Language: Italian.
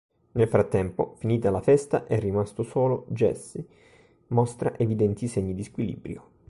Nel frattempo, finita la festa e rimasto solo, Jesse mostra evidenti segni di squilibrio.